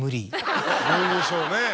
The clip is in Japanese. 無理でしょうね。